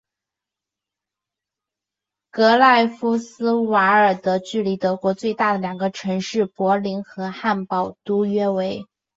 格赖夫斯瓦尔德距离德国最大的两个城市柏林和汉堡都约为。